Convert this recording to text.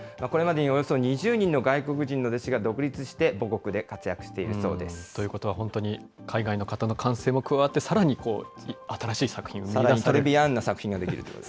これまでにおよそ２０人の外国人の弟子が独立して、母国で活躍しているそうです。ということは本当に、海外の方の感性も加わってさらにこう、トレビアンな作品が出来ると。